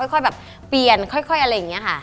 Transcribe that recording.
ค่อยแบบเปลี่ยนค่อยอะไรอย่างนี้ค่ะ